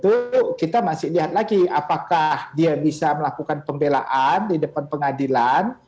tentu kita masih lihat lagi apakah dia bisa melakukan pembelaan di depan pengadilan